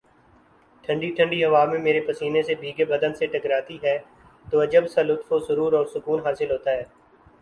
ٹھنڈی ٹھنڈی ہوا میرے پسینے سے بھیگے بدن سے ٹکراتی ہے تو عجب سا لطف و سرو ر اور سکون حاصل ہوتا ہے